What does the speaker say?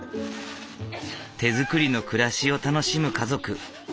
手作りの暮らしを楽しむ家族。